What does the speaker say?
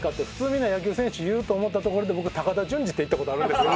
みんな野球選手を言うと思ったところで僕は「高田純次」って言った事あるんです。